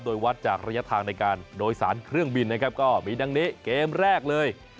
โดยวัดจากระยะทางในการโดยสารเครื่องบินนะครับก็มีดังนี้เกมแรกเลย